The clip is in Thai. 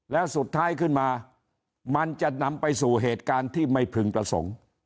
แล้วสุดท้ายขึ้นมามันจะนำไปสู่เหตุการณ์ที่ไม่พึงประสงค์